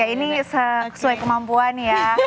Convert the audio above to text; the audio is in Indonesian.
ini sesuai kemampuan ya